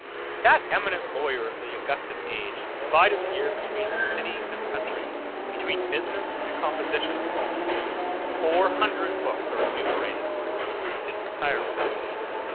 That eminent lawyer of the Augustan age divided the year between the city and country, between business and composition; and four hundred books are enumerated as the fruit of his retirement.